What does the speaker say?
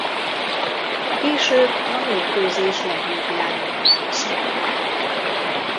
Később a mérkőzés legjobbjának választották.